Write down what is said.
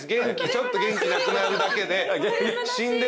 ちょっと元気なくなるだけで。